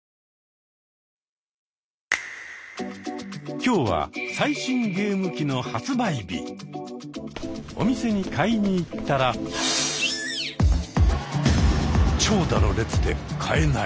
今日はお店に買いに行ったら長蛇の列で買えない！